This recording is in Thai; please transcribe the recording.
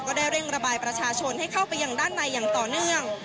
ได้เร่งระบายประชาชนให้เข้าไปยังด้านในอย่างต่อเนื่อง